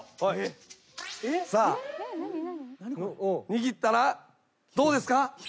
握ったらどうですか？